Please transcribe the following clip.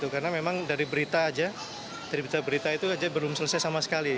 karena memang dari berita aja dari berita berita itu aja belum selesai sama sekali